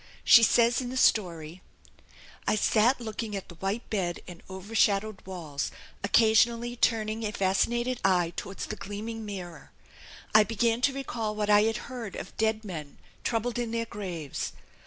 She says in the story, "I sat looking at the white bed and overshadowed walls occasionally turning a fascinated eye towards the gleaming mirror I began to recall what I had heard of dead men troubled in their graves